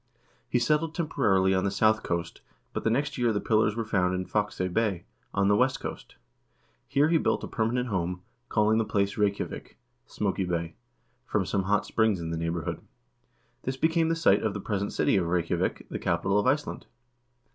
He settled temporarily on the south coast, but the next year the pillars were found in Fakse Bay, on the west coast. Here he built a per manent home, calling the place Reykjavik (Smoky Bay), from some hot springs in the neighborhood. This became the site of the present city of Reykjavik, the capital of Iceland.